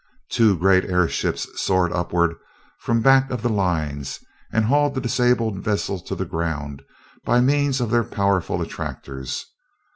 Two great airships soared upward from back of the lines and hauled the disabled vessel to the ground by means of their powerful attractors.